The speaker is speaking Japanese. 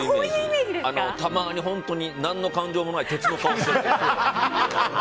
たまに、本当に何の感情もない鉄の顔をしている。